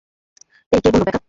এই কে বলল প্যাক আপ?